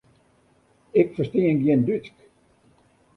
Ik ferstean gjin Dútsk.